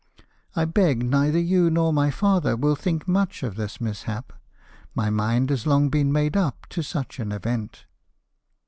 I beg neither you nor my father will think much of this mishap — my mind has long been made up to such an event."